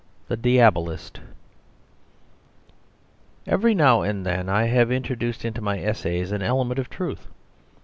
The Diabolist Every now and then I have introduced into my essays an element of truth.